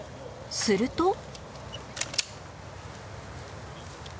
すると